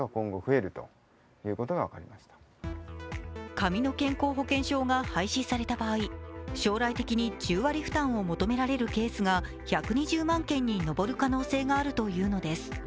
紙の健康保険証が廃止された場合、将来的に１０割負担を求められるケースが１２０万件に上る可能性があるというのです。